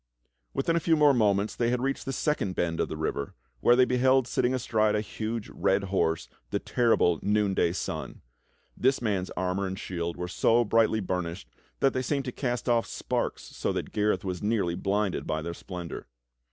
^Yithin a few more moments they had reached the second bend of the river, where they beheld sitting astride a huge red horse the terrible Noonday Sun. This man's armor and shield were so brightly burnished that they seemed to cast off sparks so that Gareth was nearly blinded by their splendor.